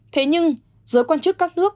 thế nhưng giữa quan chức các nước